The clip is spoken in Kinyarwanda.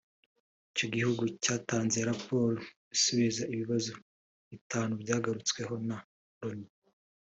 icyo gihugu cyatanze raporo isubiza ibibazo bitanu byagarutsweho na Loni